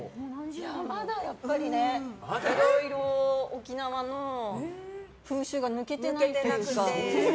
まだやっぱりいろいろ沖縄の風習が抜けてないというか。